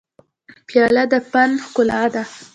پیاله د فن ښکلا ده.